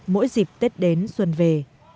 mỗi dịp tết đến xuân về